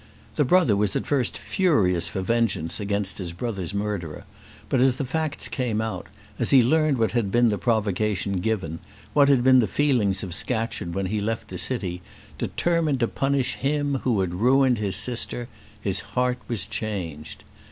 The brother was at first furious for vengeance against his brother's murderer; but, as the facts came out, as he learnt what had been the provocation given, what had been the feelings of Scatcherd when he left the city, determined to punish him who had ruined his sister, his heart was changed.